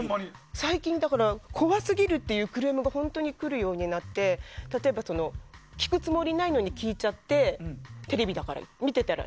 最近怖すぎるっていうクレームが本当に来るようになって例えば、聞くつもりないのに聞いちゃってテレビだから、見てたら。